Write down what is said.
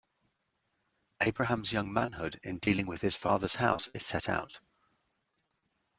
Abraham's young manhood in dealing in his father's house is set out.